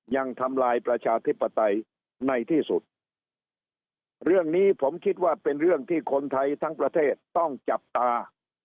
ยังทำลายประชาธิปไตยในที่สุดเรื่องนี้ผมคิดว่าเป็นเรื่องที่คนไทยทั้งประเทศต้องจับตา